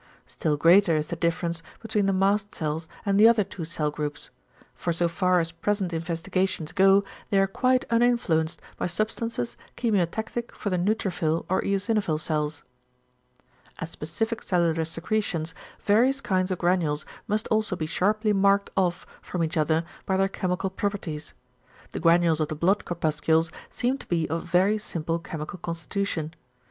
Still greater is the difference between the mast cells and the other two cell groups; for so far as present investigations go, they are quite uninfluenced by substances chemiotactic for the neutrophil or eosinophil cells. As specific cellular secretions, various kinds of granules must also be sharply marked off from each other by their chemical properties. The granules of the blood corpuscles seem to be of very simple chemical constitution.